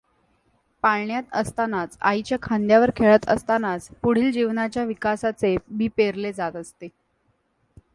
पाळण्यात असतानाच, आईच्या खांद्यावर खेळत असतानाच, पुढील जीवनाच्या विकासाचे बी पेरले जात असते.